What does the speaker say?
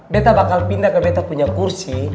beta bakal pindah ke meta punya kursi